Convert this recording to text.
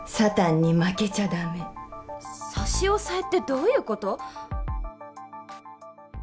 差し押さえってどういうこと？